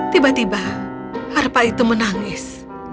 tiba tiba harpa itu menangis